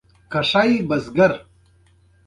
دځنګل حاصلات د افغان ماشومانو د لوبو موضوع ده.